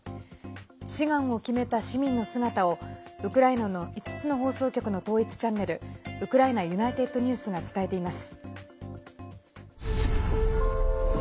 志願を決めた市民の姿をウクライナの５つの放送局の統一チャンネルウクライナＵｎｉｔｅｄＮｅｗｓが伝えています。